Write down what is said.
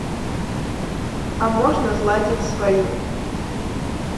А можна зладзіць сваю.